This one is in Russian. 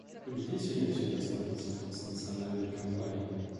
Победителями всегда становятся транснациональные компании.